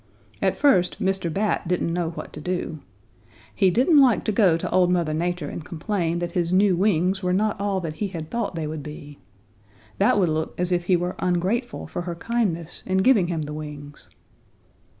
At first, Mr. Bat didn't know what to do. He didn't like to go to Old Mother Nature and complain that his new wings were not all that he had thought they would be. That would look as if he were ungrateful for her kindness in giving him the wings.